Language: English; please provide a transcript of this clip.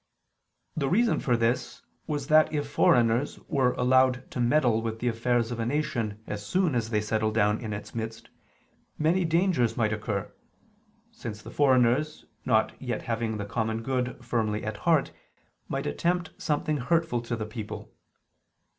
The reason for this was that if foreigners were allowed to meddle with the affairs of a nation as soon as they settled down in its midst, many dangers might occur, since the foreigners not yet having the common good firmly at heart might attempt something hurtful to the people.